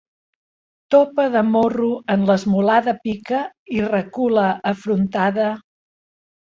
Topa de morro en l'esmolada pica i recula afrontada...